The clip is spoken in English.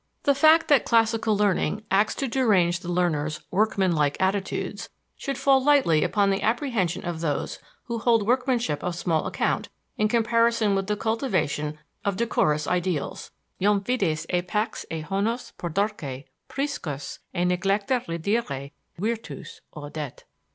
The fact that classical learning acts to derange the learner's workmanlike attitudes should fall lightly upon the apprehension of those who hold workmanship of small account in comparison with the cultivation of decorous ideals: Iam fides et pax et honos pudorque Priscus et neglecta redire virtus Audet.